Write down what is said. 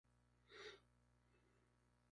Realizó sus estudios primarios en Pereira.